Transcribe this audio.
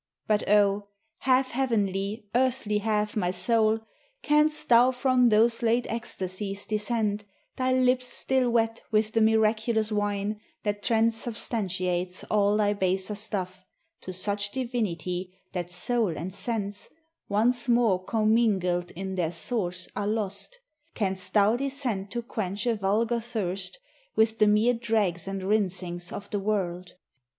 But 0, half heavenly, earthly half, my soul, Canst thou from those late ecstasies descend, Thy lips still wet with the miraculous wine That transubstantiates all thy baser stuff To such divinity that soul and sense, Once more commingled in their source, are lost, Canst thou descend to quench a vulgar thirst With the mere dregs and rinsings of the world